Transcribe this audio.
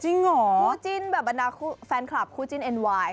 เหรอคู่จิ้นแบบบรรดาแฟนคลับคู่จิ้นเอ็นไวน์